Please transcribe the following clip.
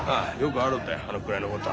あのくらいのことは。